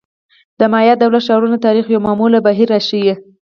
د مایا دولت-ښارونو تاریخ یو معمول بهیر راښيي.